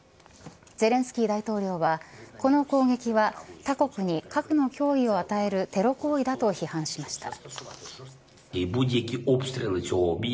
ゼレンスキー大統領はこの攻撃は他国に核の脅威を与えるテロ行為だと批判しました。